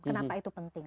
kenapa itu penting